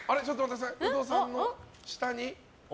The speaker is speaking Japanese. ウドさんの下に。